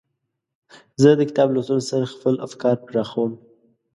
زه د کتاب لوستلو سره خپل افکار پراخوم.